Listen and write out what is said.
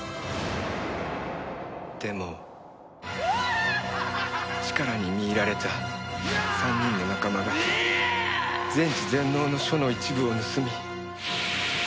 でも力に魅入られた３人の仲間が全知全能の書の一部を盗み。